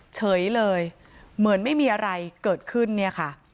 เฉยเลยเหมือนไม่มีอะไรเกิดขึ้นเนี่ยค่ะ